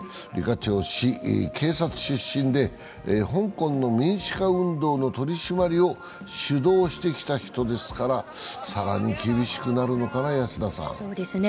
李家超氏は警察出身で、香港の民主化運動の取り締まりを主導してきた人ですから更に厳しくなるのかな、安田さん。